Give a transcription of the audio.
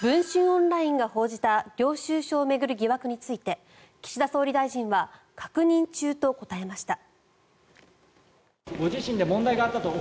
オンラインが報じた領収書を巡る疑惑について岸田総理大臣は確認中と答えました。